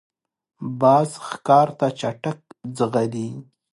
باز ښکار ته چټک ځغلي